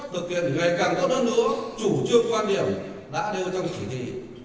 thực hiện ngày càng tốt hơn nữa chủ trương quan điểm đã đưa trong chỉ thị